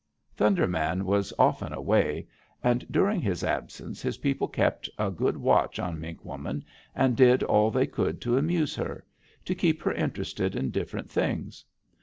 "Thunder Man was often away, and during his absence his people kept a good watch on Mink Woman, and did all they could to amuse her; to keep her interested in different things.